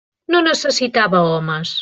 No necessitava homes.